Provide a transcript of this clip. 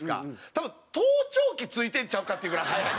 多分盗聴器付いてんちゃうかっていうぐらい早い。